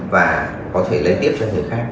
và có thể lấy tiếp cho người khác